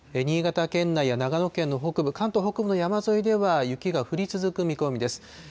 新潟県内や長野県の北部、関東北部の山沿いでは雪が降り続く見込みです。